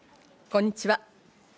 こんにちは。